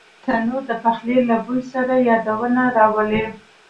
تنور د پخلي له بوی سره یادونه راولي